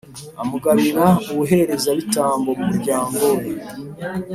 amugabira ubuherezabitambo mu muryango we.